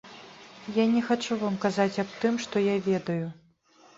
Я не хачу вам казаць аб тым, што я ведаю.